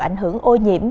ảnh hưởng ô nhiễm